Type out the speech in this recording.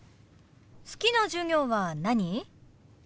好きな授業は何？